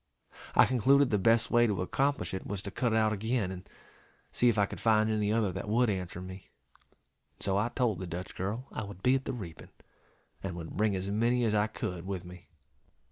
I concluded the best way to accomplish it was to cut out again, and see if I could find any other that would answer me; and so I told the Dutch girl I would be at the reaping, and would bring as many as I could with me.